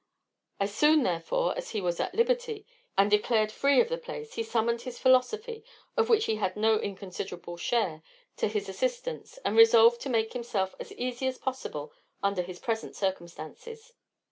As soon, therefore, as he was at liberty, and declared free of the place, he summoned his philosophy, of which he had no inconsiderable share, to his assistance, and resolved to make himself as easy as possible under his present circumstances.